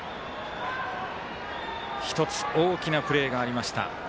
１つ、大きなプレーがありました。